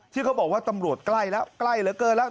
ที่เขาบอกว่าตำรวจใกล้แล้วใกล้เหลือเกินแล้ว